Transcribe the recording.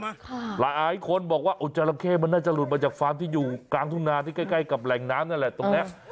หลายคนบอกว่าจราเข้มันน่าจะหลุดมาจากฟาร์มที่อยู่กลางทุ่งนาที่ใกล้ใกล้กับแหล่งน้ำนั่นแหละตรงเนี้ย